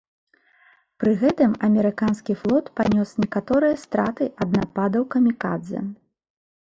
Пры гэтым амерыканскі флот панёс некаторыя страты ад нападаў камікадзэ.